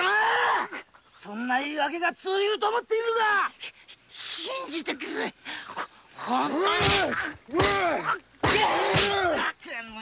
そんな言い訳が通じると思っているのか信じてくれ本当だ。